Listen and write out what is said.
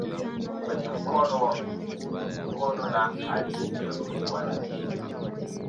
kwenye mkono na alijeruhiwa lakini